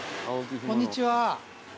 こんにちは。